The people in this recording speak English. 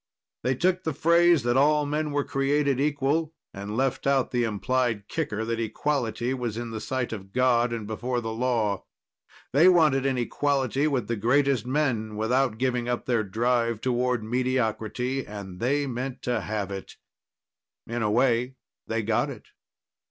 They took the phrase that all men were created equal and left out the implied kicker that equality was in the sight of God and before the law. They wanted an equality with the greatest men without giving up their drive toward mediocrity, and they meant to have it. In a way, they got it.